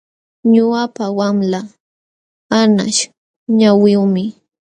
Ñuqapa wamlaa anqaśh ñawiyuqmi.